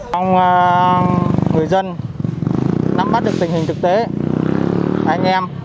trong người dân nắm mắt được tình hình thực tế anh em